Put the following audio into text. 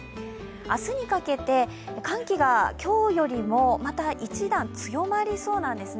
明日にかけて寒気が今日よりも、また一段強まりそうなんですね。